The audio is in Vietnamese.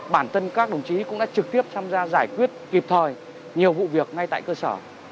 bản thân các đồng chí cũng đã trực tiếp tham gia giải quyết kịp thời nhiều vụ việc ngay tại cơ sở